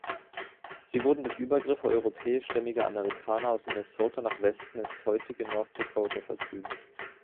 Sie wurden durch Übergriffe europäischstämmiger Amerikaner aus Minnesota nach Westen ins heutige North Dakota vertrieben.